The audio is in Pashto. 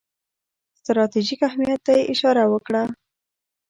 ستراتیژیک اهمیت ته یې اشاره وکړه.